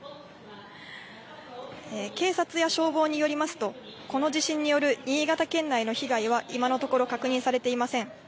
警察や消防によりますと、この地震による新潟県内の被害は今のところ確認されていません。